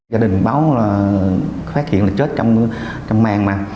gia đình báo là phát hiện là chết trong màng mà